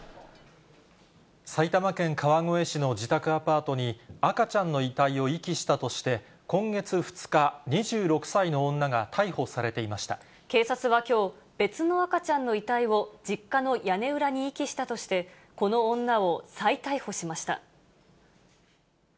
埼玉県川越市の自宅アパートに、赤ちゃんの遺体を遺棄したとして、今月２日、２６歳の女が逮警察はきょう、別の赤ちゃんの遺体を実家の屋根裏に遺棄したとして、この女を再逮捕しました。